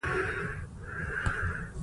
ګیدړ پټه لاره غوره کوي.